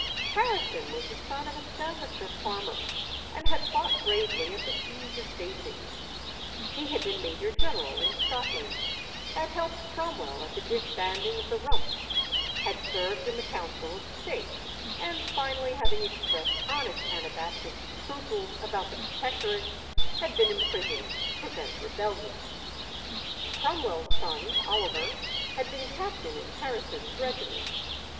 Harrison was the son of a Staffordshire farmer, and had fought bravely at the siege of Basing; he had been major general in Scotland; had helped Cromwell at the disbanding of the Rump; had served in the Council of State; and finally having expressed honest Anabaptist scruples about the Protectorate, had been imprisoned to prevent rebellion. Cromwell's son Oliver had been captain in Harrison's regiment.